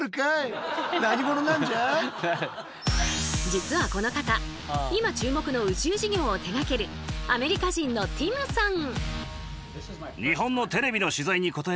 実はこの方今注目の宇宙事業を手がけるアメリカ人のティムさん。